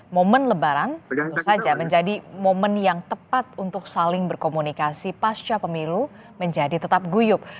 momen lebaran tentu saja menjadi momen yang tepat untuk saling berkomunikasi pasca pemilu menjadi tetap guyup